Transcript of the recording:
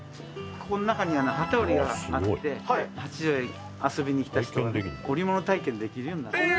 「ここの中に機織りがあって八丈へ遊びに来た人はね織物体験できるようになってます」